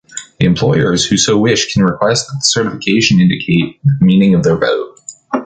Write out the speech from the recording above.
The employers who so wish can request that the certification indicate the meaning of their vote.